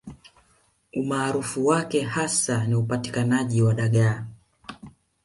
Umaarufu wake hasa ni upatikanaji wa dagaa